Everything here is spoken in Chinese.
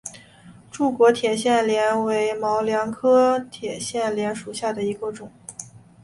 柱果铁线莲为毛茛科铁线莲属下的一个种。